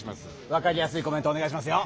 わかりやすいコメントおねがいしますよ。